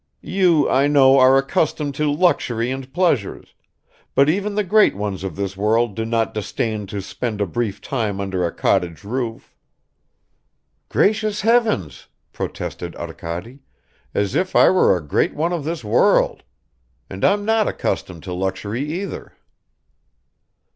"You, I know, are accustomed to luxury and pleasures, but even the great ones of this world do not disdain to spend a brief time under a cottage roof." "Gracious heavens," protested Arkady, "as if I were a great one of this world! And I'm not accustomed to luxury either."